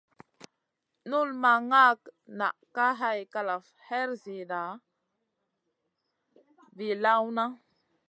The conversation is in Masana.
Nul ma nʼga nʼa Kay kalaf her ziida vii lawna.